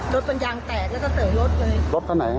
แล้วก็รถเป็นยางแตกแล้วก็เต๋อรถเลยรถข้างหน่ายแหละ